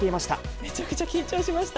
めちゃくちゃ緊張しました。